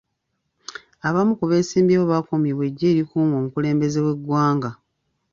Abamu ku beesimbyewo bakuumibwa eggye erikuuma omukulembeze w'eggwanga.